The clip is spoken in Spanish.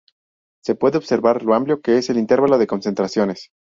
Se puede observar lo amplió que es el intervalo de concentraciones.